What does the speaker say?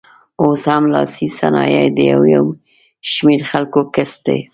اوس هم لاسي صنایع د یو شمېر خلکو کسب دی.